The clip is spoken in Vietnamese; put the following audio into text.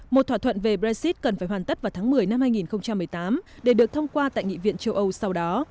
một thỏa thuận về brexit cần phải hoàn tất vào tháng một mươi năm hai nghìn một mươi tám để được thông qua tại nghị viện châu âu sau đó